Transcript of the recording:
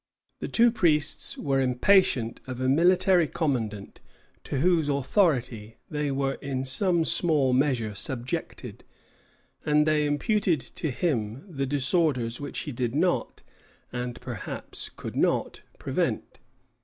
The two priests were impatient of a military commandant to whose authority they were in some small measure subjected; and they imputed to him the disorders which he did not, and perhaps could not, prevent.